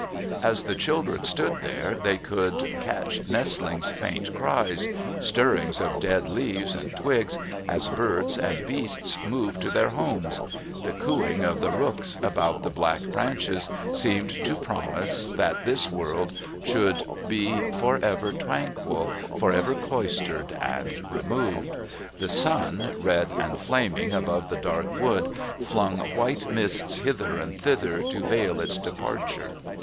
As the children stood there they could catch nestlings' faint cries, stirrings of dead leaves and twigs, as birds and beasts moved to their homes; the cooing of the rooks about the black branches seemed to promise that this world should be for ever tranquil, for ever cloistered and removed; the sun, red and flaming above the dark wood, flung white mists hither and thither to veil its departure.